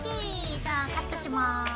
じゃあカットします。